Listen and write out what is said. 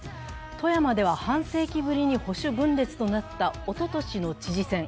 富山では半世紀ぶりに保守分裂となったおととしの知事選。